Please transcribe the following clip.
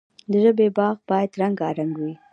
د ژبې باغ باید رنګارنګ وي.